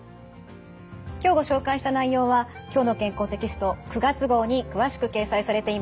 今日ご紹介した内容は「きょうの健康」テキスト９月号に詳しく掲載されています。